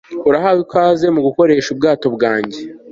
Urahawe ikaze mugukoresha ubwato bwanjye